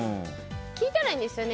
聞いたらいいんですよね。